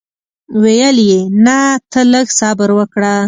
ویل یې نه ته لږ صبر وکړه.